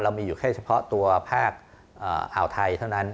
มีอยู่แค่เฉพาะตัวภาคอ่าวไทยเท่านั้น